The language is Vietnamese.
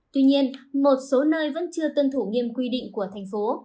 tuy nhiên một số nơi vẫn chưa tuân thủ nghiêm quy định của thành phố